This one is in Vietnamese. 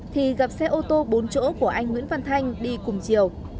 thì gặp xe ô tô bốn chỗ của anh nguyễn văn thanh đi cùng chiều